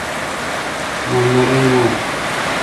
مہ نہ رنگو۔